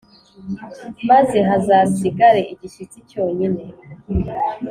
maze hazasigare igishyitsi cyonyine.